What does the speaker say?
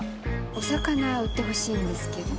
お魚売ってほしいんですけど。